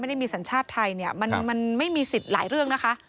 ไม่ได้มีสัญชาติไทยเนี่ยมันไม่มีสิทธิ์หลายเรื่องนะคะ